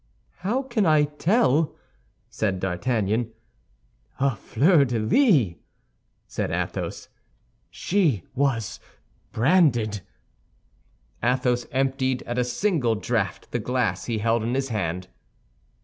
"How can I tell?" said D'Artagnan. "A fleur de lis," said Athos. "She was branded." Athos emptied at a single draught the glass he held in his hand.